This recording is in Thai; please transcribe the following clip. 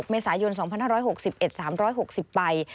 เมษายน๒๕๖๑๓๖๐ใบ